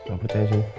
apa percaya sini